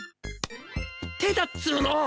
手だっつうの！